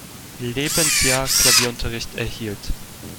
Lebensjahr Klavierunterricht erhielt.